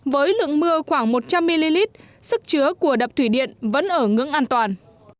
với lượng mưa khoảng một trăm linh ml sức chứa của đập thủy điện vẫn ở ngưỡng an toàn